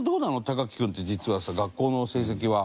隆貴君って実は、学校の成績は。